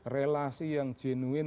relasi yang jenuin